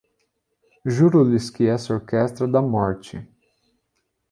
Juro-lhes que essa orquestra da morte